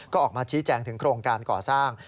ก็ออกมาชี้แจงถึงโครงการก่อสร้าง